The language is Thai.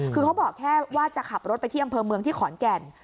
คือเขาบอกแค่ว่าจะขับรถไปที่อำเภอเมืองที่ขอนแก่น